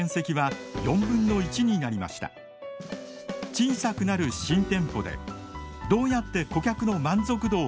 小さくなる新店舗でどうやって顧客の満足度を高めるのか。